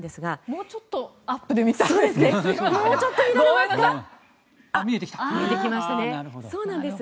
もうちょっとアップで見たいです。